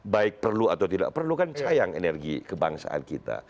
baik perlu atau tidak perlu kan sayang energi kebangsaan kita